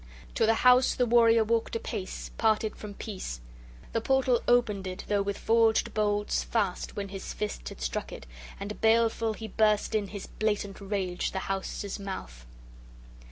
To the house the warrior walked apace, parted from peace; {11a} the portal opended, though with forged bolts fast, when his fists had struck it, and baleful he burst in his blatant rage, the house's mouth.